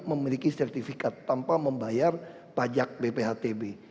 memiliki sertifikat tanpa membayar pajak bphtb